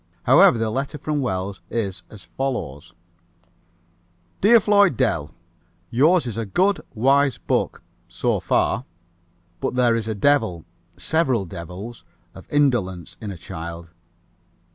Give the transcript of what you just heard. However, the letter from Wells is as follows: "Dear Floyd Dell: Yours is a good, wise book so far. But there is a devil several devils of indolence in a child.